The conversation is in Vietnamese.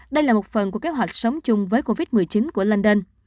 đây là một phần của kế hoạch sống chung với covid một mươi chín của land